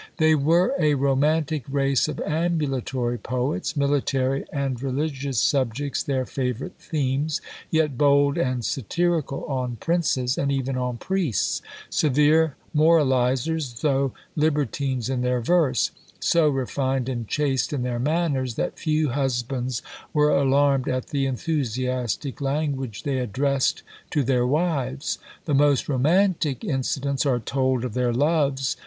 They were a romantic race of ambulatory poets, military and religious subjects their favourite themes, yet bold and satirical on princes, and even on priests; severe moralisers, though libertines in their verse; so refined and chaste in their manners, that few husbands were alarmed at the enthusiastic language they addressed to their wives. The most romantic incidents are told of their loves.